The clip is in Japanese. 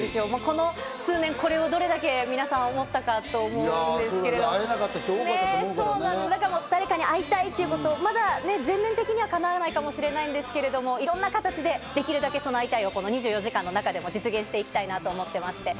数年これをどれだけ皆さん思ったかと思うんですけど、誰かに会いたいということ、まだ全面的にはかなわないかもしれないですけど、いろんな形でできるだけ叶えたい、この『２４時間テレビ』の中でも実現していきたいと思っています。